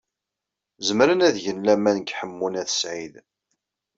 Zemren ad gen laman deg Ḥemmu n At Sɛid.